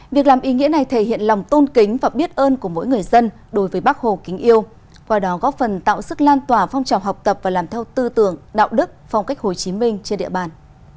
việc làm ý nghĩa này thể hiện lòng tôn kính và biết ơn của mỗi người dân đối với bác hồ kính yêu qua đó góp phần tạo sức lan tỏa phong trào học tập và làm theo tư tưởng đạo đức phong cách hồ chí minh trên địa bàn